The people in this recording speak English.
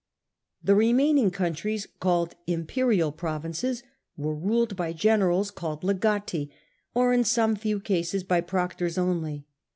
The remaining countries, called imperial provinces, were ruled by generals, called legati, or in some few cases by proctors only.